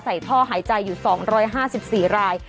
ท่อหายใจอยู่๒๕๔ราย